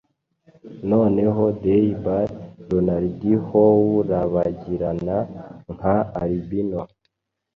Noneho dey ball ronaldihourabagirana nka albino